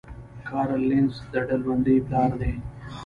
کارل لینس د ډلبندۍ پلار دی